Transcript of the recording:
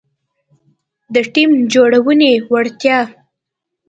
-د ټیم جوړونې وړتیا